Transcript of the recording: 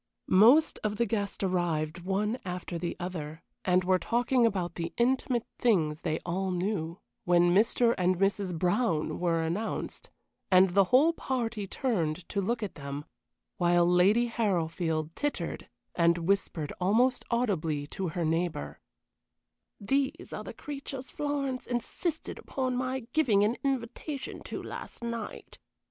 Most of the guests arrived one after the other, and were talking about the intimate things they all knew, when "Mr. and Mrs. Brown" were announced, and the whole party turned to look at them, while Lady Harrowfield tittered, and whispered almost audibly to her neighbor: "These are the creatures Florence insisted upon my giving an invitation to last night.